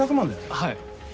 はい。